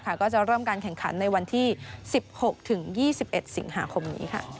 ก็จะเริ่มการแข่งขันในวันที่๑๖๒๑สิงหาคมนี้